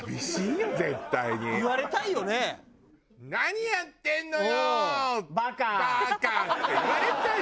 「何やってんのよバーカ！」って言われたいよ